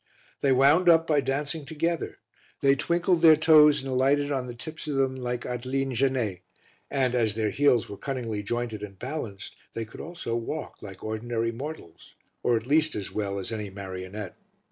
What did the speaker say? They wound up by dancing together. They twinkled their toes and alighted on the tips of them like Adeline Genee and, as their heels were cunningly jointed and balanced, they could also walk like ordinary mortals, or at least as well as any marionette.